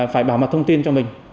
phải bảo mật thông tin cho mình